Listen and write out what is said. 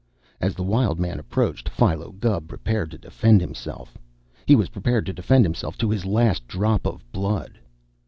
As the Wild Man approached, Philo Gubb prepared to defend himself. He was prepared to defend himself to his last drop of blood.